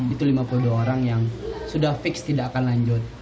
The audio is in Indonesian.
itu lima puluh dua orang yang sudah fix tidak akan lanjut